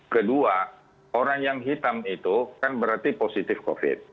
kedua orang yang hitam itu kan berarti positif covid